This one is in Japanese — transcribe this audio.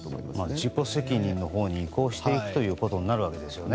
自己責任のほうに移行していくということになるわけですよね。